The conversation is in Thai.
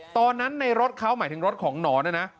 ตอนนั้นในรถเขาหมายถึงรถของหนอนนะนะ